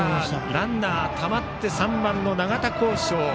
ランナーたまって３番の永田晃庄。